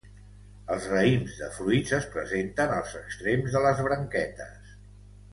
Els raïms de fruits es presenten als extrems de les branquetes.